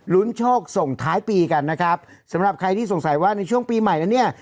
โชคส่งท้ายปีกันนะครับสำหรับใครที่สงสัยว่าในช่วงปีใหม่นั้นเนี่ย